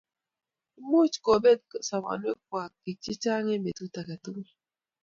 Imuch kobet sobonwek kwai bik chechang eng betut age tugul